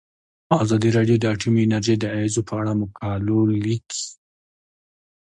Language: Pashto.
ازادي راډیو د اټومي انرژي د اغیزو په اړه مقالو لیکلي.